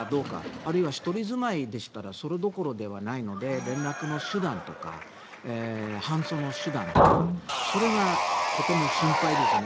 あるいは一人住まいでしたらそれどころではないので連絡の手段とか搬送の手段とかそれがとても心配ですね。